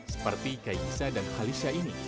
seperti kaiksa dan halisha ini